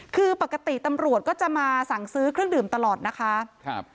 คือปกติตำรวจก็จะมาสั่งซื้อเครื่องดื่มตลอดนะคะครับ